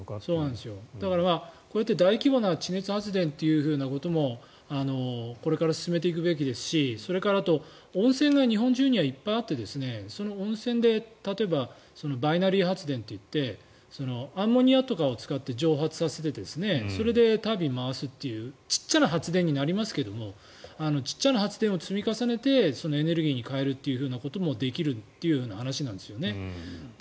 だから大規模な地熱発電ということもこれから進めていくべきですしそれから、温泉が日本中にはいっぱいあって、その温泉で例えば、バイナリー発電と言ってアンモニアとかを使って蒸発させてそれでタービンを回すという小さな発電になりますがちっちゃな発電を積み重ねてエネルギーに変えることもできるという話なんですね。